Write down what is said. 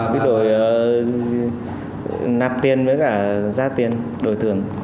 quy đổi nạp tiền với cả ra tiền đổi thường